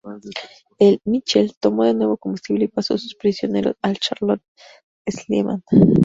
El "Michel" tomó de nuevo combustible y pasó sus prisioneros al "Charlotte Schliemann".